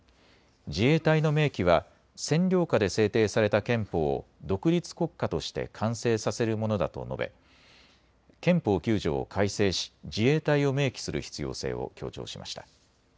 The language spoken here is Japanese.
自衛隊の明記は占領下で制定された憲法を独立国家として完成させるものだと述べ、憲法９条を改正し自衛隊を明記する必要性を強調しました。